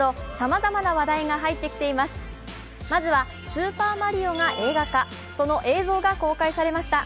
まずは、「スーパーマリオ」が映画化その映像が公開されました。